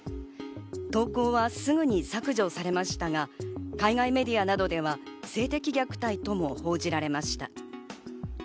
投稿はすぐに削除されましたが、海外メディアなどでは性的虐待とも報じられました。